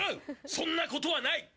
そんなことはない！